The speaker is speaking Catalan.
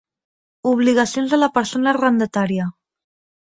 Obligacions de la persona arrendatària.